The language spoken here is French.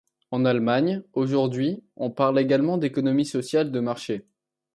En Allemagne aujourd'hui on parle également d'économie sociale de marché.